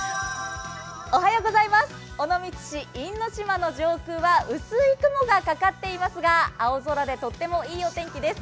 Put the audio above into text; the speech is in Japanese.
尾道市因島の上空は薄い雲がかかっていますが青空でとってもいいお天気です。